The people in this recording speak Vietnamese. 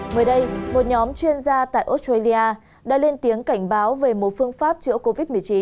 mới đây một nhóm chuyên gia tại australia đã lên tiếng cảnh báo về một phương pháp chữa covid một mươi chín